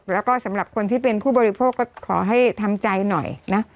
แล้วก็สำหรับคนที่เป็นผู้บริโภคก็ขอให้ทำใจหน่อยนะ